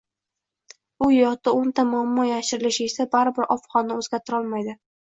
u yoqda o‘nta muammo yashirilishi esa baribir ob-havoni o‘zgartirolmaydi.